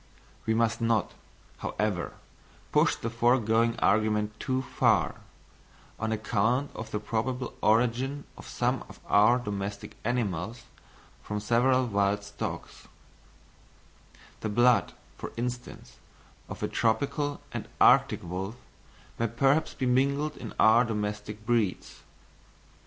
We must not, however, push the foregoing argument too far, on account of the probable origin of some of our domestic animals from several wild stocks: the blood, for instance, of a tropical and arctic wolf may perhaps be mingled in our domestic breeds.